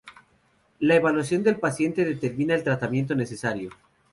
La evaluación del paciente determina el tratamiento necesario.